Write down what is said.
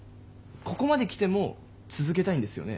ここまで来ても続けたいんですよね？